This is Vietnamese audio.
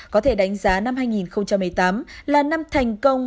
có thể đánh giá năm hai nghìn một mươi tám là năm thành công